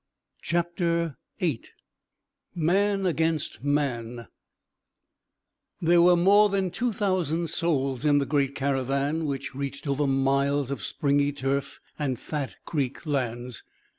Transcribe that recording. CHAPTER VIII MAN AGAINST MAN There were more than two thousand souls in the great caravan which reached over miles of springy turf and fat creek lands.